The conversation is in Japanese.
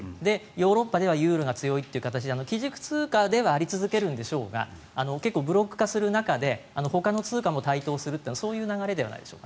ヨーロッパではユーロが強いという形で基軸通貨ではあり続けるんでしょうが結構、ブロック化する中でほかの通貨も台頭するってそういう流れではないでしょうか。